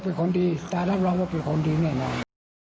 เป็นคนดีสตาร์รับรองว่าเป็นคนดีแน่นอน